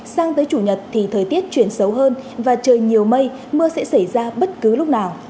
sang tới chủ nhật thì thời tiết chuyển xấu hơn và trời nhiều mây mưa sẽ xảy ra bất cứ lúc nào